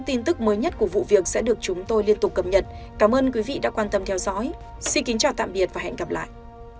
xin kính chào tạm biệt và hẹn gặp lại